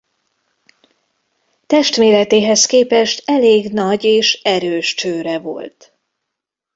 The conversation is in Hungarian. Testméretéhez képest elég nagy és erős csőre volt.